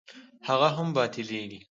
هغه هم باطلېږي.